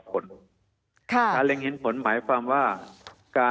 มีความรู้สึกว่ามีความรู้สึกว่า